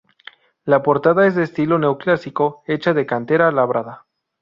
La portada es de estilo neoclásico, hecha de cantera labrada.